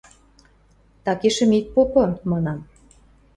– Такешӹм ит попы, – манам.